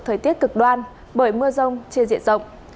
thời tiết cực đoan bởi mưa rông trên diện rộng